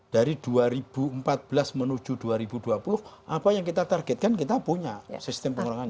dari dua ribu empat belas menuju dua ribu dua puluh apa yang kita targetkan kita punya sistem pengurangan